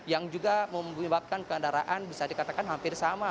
yang juga membuatkan kendaraan bisa dikatakan hampir sama